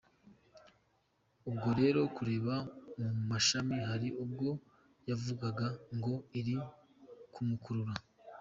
Ubwo rero kureba mu mashini hari ubwo yavugaga ngo iri kumukurura.